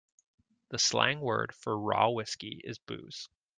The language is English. The slang word for raw whiskey is booze.